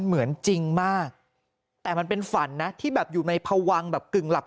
เหมือนจริงมากแต่มันเป็นฝันนะที่แบบอยู่ในพวังแบบกึ่งหลับ